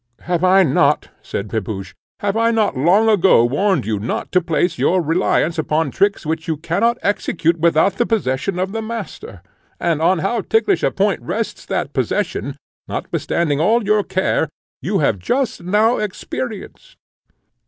"Have I not," said Pepusch, "have I not long ago warned you not to place your reliance upon tricks which you cannot execute without the possession of the MASTER? and on how ticklish a point rests that possession, notwithstanding all your care, you have just now experienced."